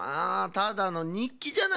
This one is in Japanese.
ただのにっきじゃないですか。